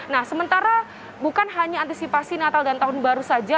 nah sementara bukan hanya antisipasi natal dan tahun baru saja